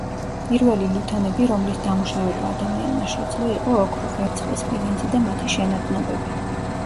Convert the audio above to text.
პირველი ლითონები რომლის დამუშავება ადამიანმა შეძლო იყო ოქრო, ვერცხლი, სპილენძი და მათი შენადნობები.